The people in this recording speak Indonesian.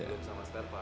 belum sama spare part